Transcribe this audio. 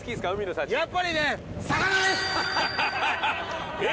やっぱりねえ！